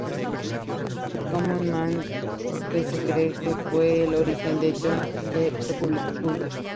Common Man, que se cree que fue el origen de John Q. Public.